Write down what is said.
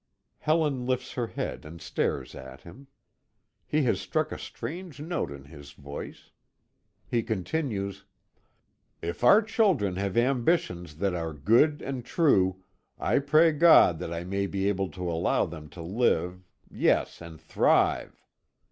Helen lifts her head and stares at him. He has struck a strange note in his voice. He continues: "If our children have ambitions that are good and true, I pray God that I may be able to allow them to live, yes and thrive.